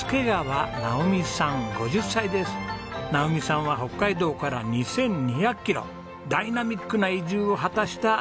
直己さんは北海道から２２００キロダイナミックな移住を果たした女性なんです。